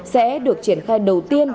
sẽ được triển khai đầu tiên